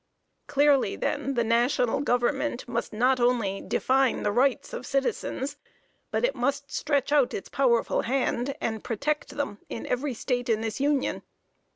Clearly, then, the national government must not only define the rights of citizens, but it must stretch out its powerful hand and protect them in every state in this Union.